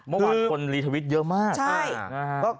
เมื่อวานคนรีทวิตเยอะมาก